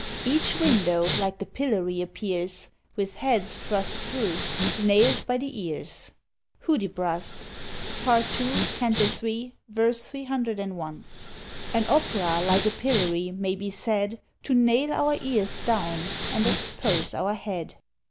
Each WINDOW like the PILLORY appears, With HEADS thrust through: NAILED BY THE EARS! Hudibras, Part ii. c. 3, v. 301. An opera, like a PILLORY, may be said To NAIL OUR EARS down, and EXPOSE OUR HEAD.